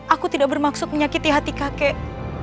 aku tidak bermaksud menyakiti hati kakek